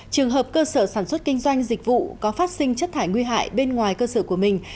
trường hợp cơ sở sản xuất kinh doanh dịch vụ có phát sinh chất thải nguy hại bên ngoài cơ sở của mình